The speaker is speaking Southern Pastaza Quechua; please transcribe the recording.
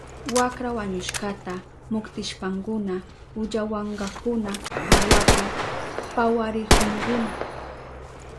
Wakra wañushkata muktishpankuna ullawankakuna awapi pawarihunkuna.